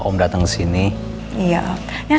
sampai jumpa lagi